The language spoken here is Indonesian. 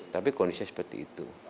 tapi kondisinya seperti itu